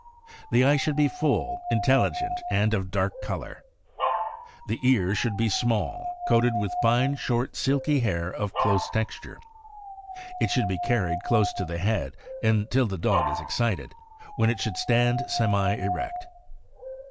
The eye should be full, intelligent, and of dark color. The ear should be small, coated with fine, short, silky Lair of close texture. It should be carried close to the head until the dog is excited, when it should stand semi erect.